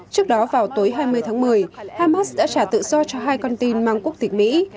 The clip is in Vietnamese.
trước đó vào tối hai mươi tháng một mươi hamas đã trả tự do cho hai con tin mang quốc tịch mỹ